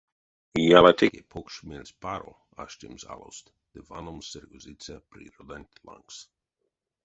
Ялатеке покш мельспаро аштемс алост ды ваномс сыргозиця природанть лангс.